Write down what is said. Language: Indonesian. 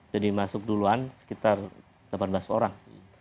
jadi masuk duluan sekitar delapan belas orang